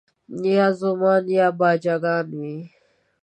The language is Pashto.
یا زومان یا باجه ګان وي